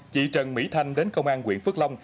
chị trần mỹ thanh đến công an nguyễn phước long